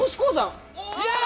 イエイ！